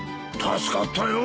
助かったよ。